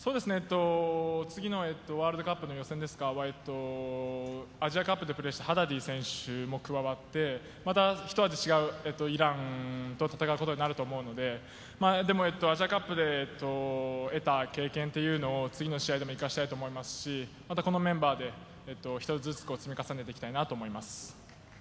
次のワールドカップの予選ですか、アジアカップでプレーしたハダディ選手も加わって、また一味違うイランと戦うことになると思うので、アジアカップで得た経験っていうのを次の試合でも生かしたいと思いますし、またこのメンバーでひとつずつ積み重ねていきたいと思います。